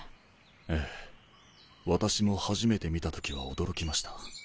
ええ私も初めて見た時は驚きました。